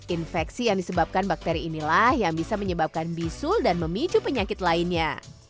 infeksi yang disebabkan bakteri inilah yang bisa menyebabkan bisul dan memicu penyakit lainnya